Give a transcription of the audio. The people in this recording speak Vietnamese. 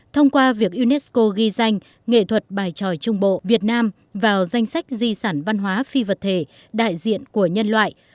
thông qua việc unesco ghi danh nghệ thuật bài tròi trung bộ việt nam vào danh sách di sản văn hóa phi vật thể đại diện của nhân loại